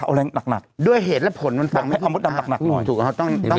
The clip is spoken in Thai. เอาแรงหนักหนักด้วยเหตุและผลมันอ้าวมัวดำตักหนักถูกค่ะต้องใน